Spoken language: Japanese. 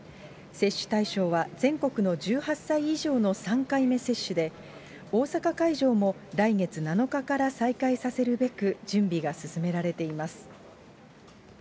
接種対象は全国の１８歳以上の３回目接種で、大阪会場も来月７日から再開させるべく、準備が進められています。